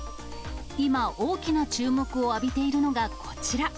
今、大きな注目を浴びているのがこちら。